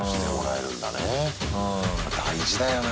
大事だよな。